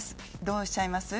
どうおっしゃいます？